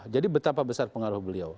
jadi betapa besar pengaruh beliau